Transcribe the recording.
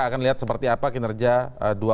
akan lihat seperti apa kinerja dua